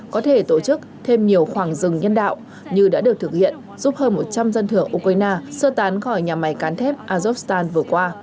có thể tổ chức thêm nhiều khoảng rừng nhân đạo như đã được thực hiện giúp hơn một trăm linh dân thường ukraine sơ tán khỏi nhà máy cán thép azokstan vừa qua